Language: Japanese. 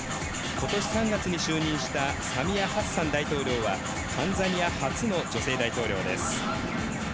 ことし３月に就任したサミア・ハッサン大統領はタンザニア初の女性大統領です。